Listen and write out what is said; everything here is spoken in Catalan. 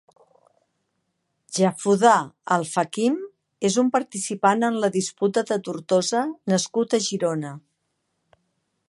Jafudà Alfakim és un participant en la Disputa de Tortosa nascut a Girona.